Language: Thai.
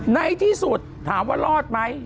ในที่สุดถามว่ารอดไหม